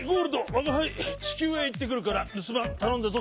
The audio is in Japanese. わがはいちきゅうへいってくるからるすばんたのんだぞ。